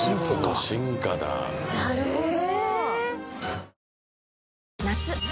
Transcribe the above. なるほど！